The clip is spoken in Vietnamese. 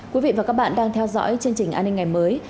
quý vị và các bạn đang theo dõi chương trình an ninh ngày mới